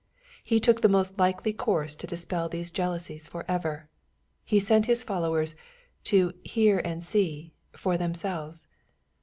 He took the most likely course to dispel those jealousies for ever. He sent his followers to '^ hear and see" for themselves.